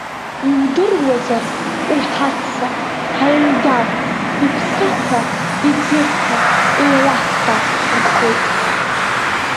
Иудыруазар, уҳацца, ҳаимдап, иԥсырҭа-иӡырҭа еилаҳкаап, — рҳәеит.